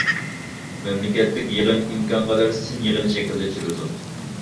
مەملىكەتلىك يىغىن ئىمكانقەدەر سىن يىغىنى شەكلىدە ئېچىلىدۇ.